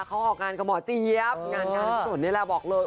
เขาเหาะการกับหมอจี้เยี้ยบงานนี่แหละบอกเลย